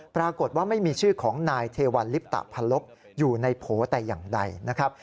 ปรากฏว่าไม่มีชื่อของนายเทวัลลิปตะพันลบอยู่ในโผล่แต่อย่างใดนะครับ